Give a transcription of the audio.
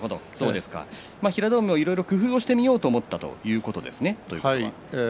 平戸海もいろいろ工夫をしてみようと思ったんですよね。